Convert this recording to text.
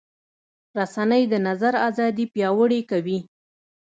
رسنۍ د نظر ازادي پیاوړې کوي.